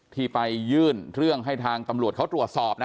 ที่ไปยื่นเรื่องให้ทางตำรวจเขาตรวจสอบนะ